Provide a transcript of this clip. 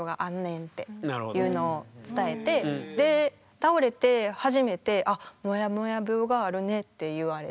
倒れて初めて「あっもやもや病があるね」って言われて。